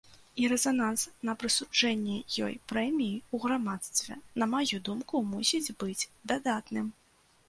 І рэзананс на прысуджэнне ёй прэміі ў грамадстве, на маю думку, мусіць быць дадатным.